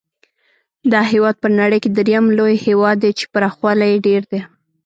دا هېواد په نړۍ کې درېم لوی هېواد دی چې پراخوالی یې ډېر دی.